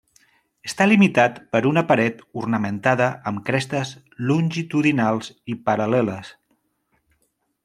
Està limitat per una paret ornamentada amb crestes longitudinals i paral·leles.